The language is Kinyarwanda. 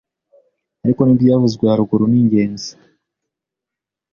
ariko n’ibyavuzwe haruguru ni ingenzi.